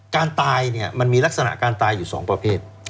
การตายเนี่ยมันมีลักษณะการตายอยู่๒ประเภท